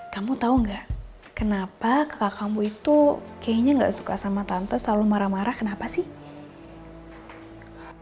kamu tahu nggak kenapa kakak kamu itu kayaknya gak suka sama tante selalu marah marah kenapa sih